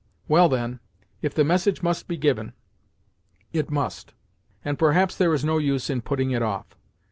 Well, then, if the message must be given, it must; and perhaps there is no use in putting it off.